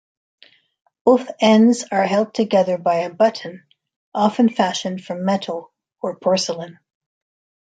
Both ends are held together by a button, often fashioned from metal or porcelain.